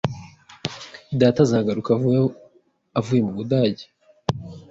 Data azagaruka avuye mu Budage bidatinze